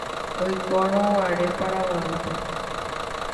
Oikórõguare Paraguaýpe